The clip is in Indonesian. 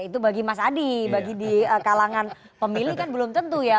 itu bagi mas adi bagi di kalangan pemilih kan belum tentu ya